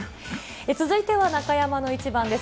続いては中山のイチバンです。